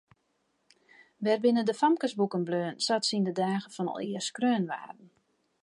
Wêr binne de famkesboeken bleaun sa't se yn de dagen fan alear skreaun waarden?